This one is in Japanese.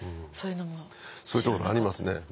そういうところありますね